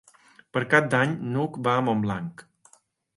Per Cap d'Any n'Hug va a Montblanc.